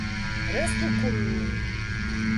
Restu kun ni.